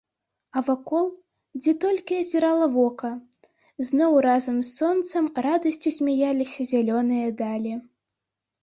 А вакол, дзе толькі азірала вока, зноў разам з сонцам радасцю смяяліся зялёныя далі!